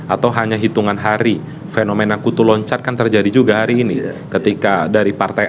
atau hanya hitungan hari fenomena kutu loncat kan terjadi juga hari ini ketika dari partai